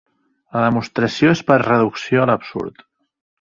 La demostració és per reducció a l'absurd.